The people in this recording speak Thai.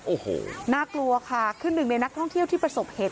โอ้โหน่ากลัวค่ะคือหนึ่งในนักท่องเที่ยวที่ประสบเหตุ